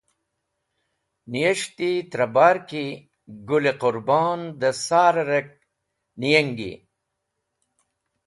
Niyes̃hti trẽ bar ki gũl-e Qũrbon dẽ sar-e ark niyengi.